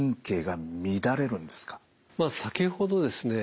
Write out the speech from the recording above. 先ほどですね